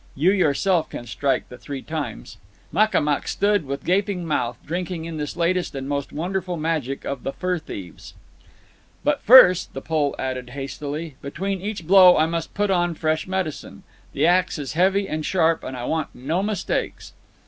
You yourself can strike the three times." Makamuk stood with gaping mouth, drinking in this latest and most wonderful magic of the fur thieves. "But first," the Pole added hastily, "between each blow I must put on fresh medicine. The axe is heavy and sharp, and I want no mistakes."